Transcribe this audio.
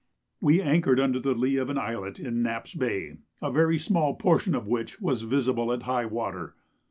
We anchored under the lee of an islet in Knapp's Bay, a very small portion of which was visible at high water.